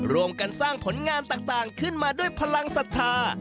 ร่วมกันสร้างผลงานต่างขึ้นมาด้วยพลังศรัทธา